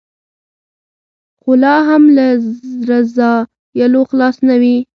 خو لا هم له رذایلو خلاص نه وي.